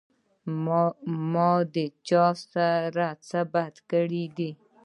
ما د چا سره څۀ بد کړي دي